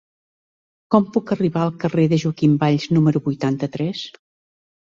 Com puc arribar al carrer de Joaquim Valls número vuitanta-tres?